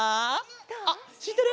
あっしってる？